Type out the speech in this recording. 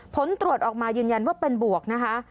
ผลตรวจออกมายืนยันว่าเป็นบวกนะคะ